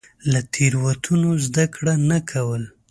له تېروتنو زده کړه نه کول.